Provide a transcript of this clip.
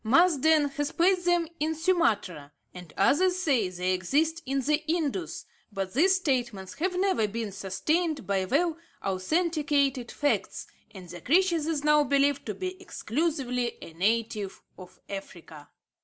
Marsden has placed them in Sumatra, and others say they exist in the Indus, but these statements have never been sustained by well authenticated facts, and the creature is now believed to be exclusively a native of Africa.